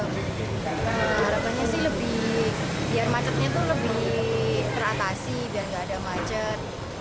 harapannya sih lebih biar macetnya tuh lebih teratasi biar nggak ada macet